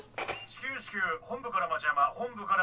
至急至急本部から町山本部から町山。